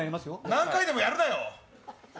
何回でもやるなよ！